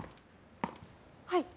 はい。